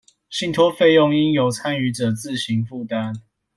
信託費用應由參與者自行負擔